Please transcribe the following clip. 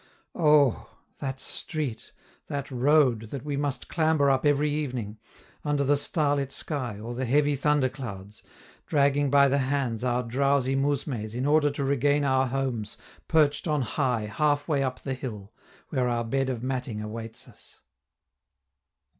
Oh! that street, that road, that we must clamber up every evening, under the starlit sky or the heavy thunder clouds, dragging by the hands our drowsy mousmes in order to regain our homes perched on high halfway up the hill, where our bed of matting awaits us.